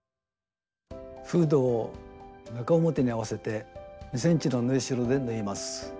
フードを中表に合わせて２ｃｍの縫いしろで縫います。